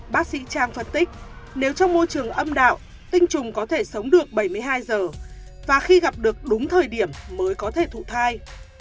bác sĩ trang phân tích nếu trong môi trường âm đạo tinh trùng có thể sống được bảy mươi hai giờ và khi gặp được đúng thời điểm mới có thể thụ thai